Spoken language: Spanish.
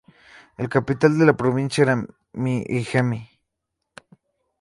La capital de la provincia era Himeji.